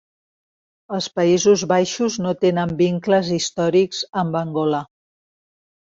Els Països Baixos no tenen vincles històrics amb Angola.